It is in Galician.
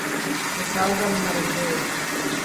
Desauga no mar Exeo.